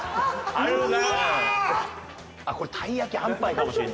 あるな！